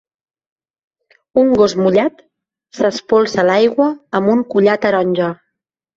Un gos mullat s'espolsa l'aigua amb un collar taronja.